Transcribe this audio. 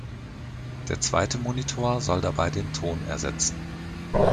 Der zweite Monitor soll dabei den Ton ersetzen.